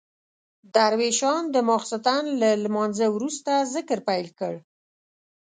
درویشان د ماخستن له لمانځه وروسته ذکر پیل کړ.